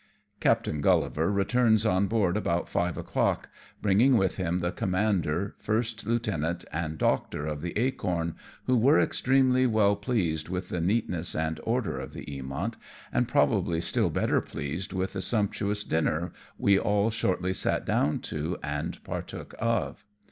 Captain Gullivar returns on board about five o'clock, bringing with him the commander, first lieutenant and doctor of the Acorn, who were extremely well pleased with the neatness and order of the Eamont, and probably still better pleased with the sumptuous dinner we all shortly sat down to and partook of.